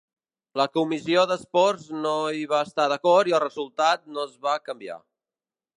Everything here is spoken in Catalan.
La Comissió d'Esports no hi va estar d'acord i el resultat no es va canviar.